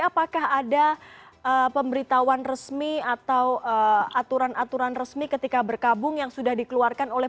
apakah ada pemberitahuan resmi atau aturan aturan resmi ketika berkabung yang sudah dikeluarkan oleh